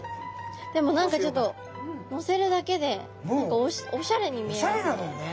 でも何かちょっとのせるだけでおしゃれに見えますね。